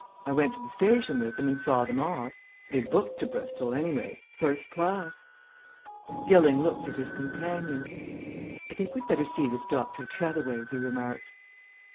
"I went to the station with them and saw them off. They booked to Bristol anyway first class." Gilling looked at his companion. "I think we'd better see this Dr. Tretheway," he remarked.